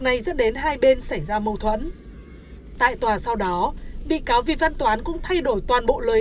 này dẫn đến hai bên xảy ra mâu thuẫn tại tòa sau đó bị cáo việt văn toán cũng thay đổi toàn bộ lời